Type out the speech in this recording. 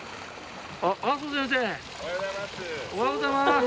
おはようございます。